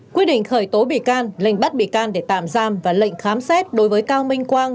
quyết định khởi tố bị can lệnh bắt bị can để tạm giam và lệnh khám xét đối với cao minh quang